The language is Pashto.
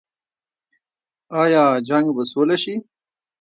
آیا جنګ به سوله شي؟